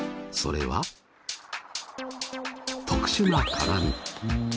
それは特殊な鏡。